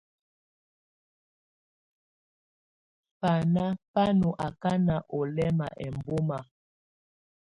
Bana bà nɔ̀ akana ɔ̀ lɛma ɛmbɔma.